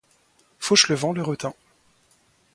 Fauchelevent le retint.